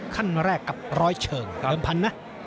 ขั้นแรกกับร้อยเชิงเดิมพันธุ์นะ